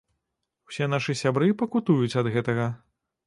Усе нашы сябры пакутуюць ад гэтага.